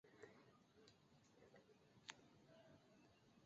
濉城镇是中国福建省三明市建宁县下辖的一个镇。